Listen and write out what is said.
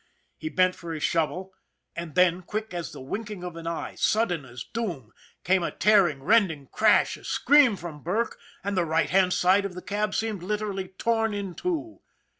He bent for his shovel and then, quick as the winking of an eye, sudden as doom, came a tearing, rending crash, a scream from Burke, and the right hand side of the cab seemed literally torn in two.